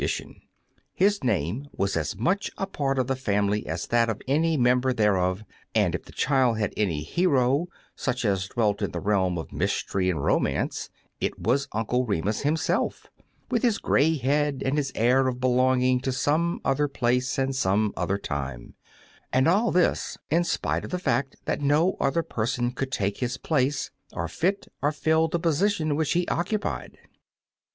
Urn Two Fat Pullets name waa aa much a part of the family aa that of any member thereof, and if the child had any hero, such as dwell in the realm cf mystery and romance, it waa Uncle Re mus himself, with hia gray head and his air of belonging to some other place and some other time; and all this in spite of the fact that no other person could take hia place, or fit and fill the position which he occupied.